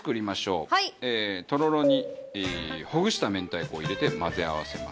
とろろにほぐした明太子を入れて混ぜ合わせます。